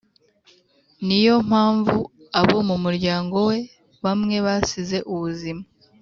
Ni yo mpamvu abo muryango we bamwe basize ubuzima